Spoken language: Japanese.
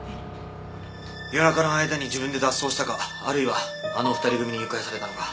夜中の間に自分で脱走したかあるいはあの２人組に誘拐されたのか。